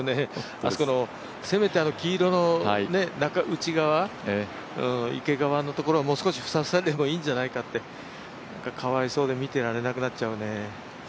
あそこのせめて黄色の内側、池側のところはもう少しふさふさでもいいんじゃないかってなんかかわいそうで見てられなくなっちゃうね。